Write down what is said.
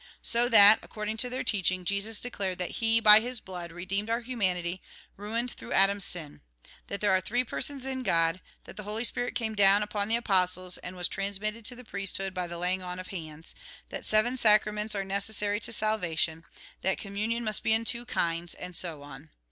So that, according to their teaching, Jesus declared that he, by his blood, redeemed our humanity, ruined through Adam's sin ; that there are three Persons in God ; that the Holy Spirit came down upon the apostles, and was transmitted to the priesthood by the laying on of hands ; that seven saci'aments are necessary to salvation ; that communion must be in two kinds ; and so on.